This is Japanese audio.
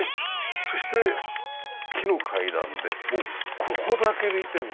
そして木の階段でもうここだけ見ても好きだな。